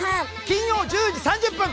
金曜１０時３０分。